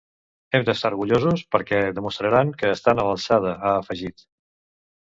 Hem d'estar orgullosos perquè demostraran que estan a l'alçada, ha afegit.